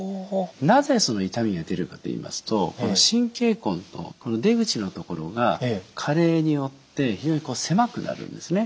なぜ痛みが出るかといいますと神経根と出口の所が加齢によって非常に狭くなるんですね。